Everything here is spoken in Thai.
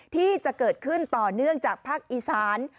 ที่จะเกิดขึ้นต่อเนื่องจากภาคอีสาน